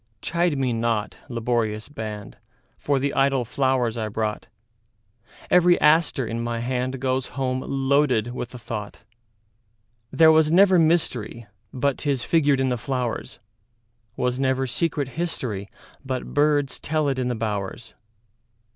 Chide me not, laborious band, For the idle flowers I brought; Every aster in my handGoes home loaded with a thought. There was never mysteryBut 'tis figured in the flowers; SWas never secret historyBut birds tell it in the bowers.